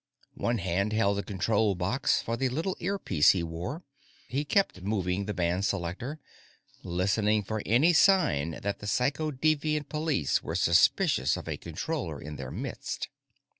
One hand held the control box for the little earpiece he wore. He kept moving the band selector, listening for any sign that the Psychodeviant Police were suspicious of a Controller in their midst.